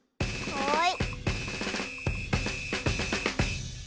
はい！